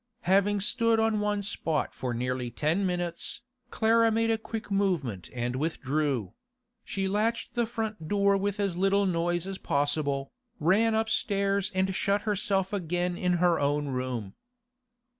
Having stood on one spot for nearly ten minutes, Clara made a quick movement and withdrew; she latched the front door with as little noise as possible, ran upstairs and shut herself again in her own room.